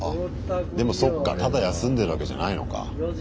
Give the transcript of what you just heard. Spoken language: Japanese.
でもそっかただ休んでるわけじゃないのか。